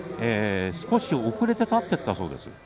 少し遅れて立ったそうです。